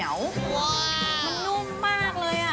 มันนุ่มมากเลย